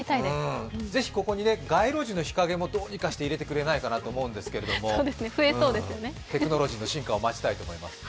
ぜひここに街路樹の日陰もどうにかして入れてくれないかなと思うんですけれども、テクノロジーの進化を待ちたいと思います。